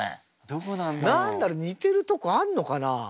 何だろう似てるとこあんのかな？